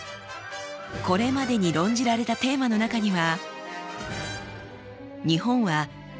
これまでに論じられたテーマの中には。